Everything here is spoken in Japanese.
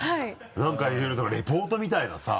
何かいろいろレポートみたいなさ。